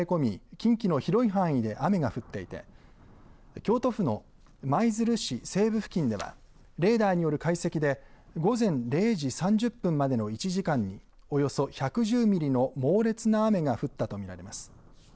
近畿の広い範囲で雨が降っていて京都府の舞鶴市西部付近ではレーダーによる解析で午前０時３０分までの１時間におよそ１１０ミリの猛烈な雨が降ったと見られます。